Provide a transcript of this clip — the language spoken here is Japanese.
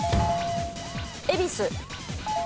恵比寿。